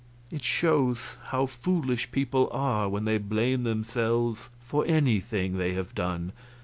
It shows how foolish people are when they blame themselves for anything they have done.